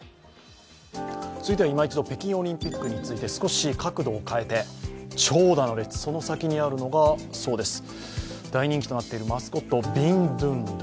続いてはいま一度、北京オリンピックについて少し角度を変えて長蛇の列、その先にあるのがそうです、大人気となっているマスコット、ビンドゥンドゥン。